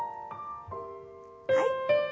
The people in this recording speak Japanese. はい。